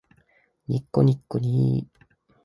にっこにっこにー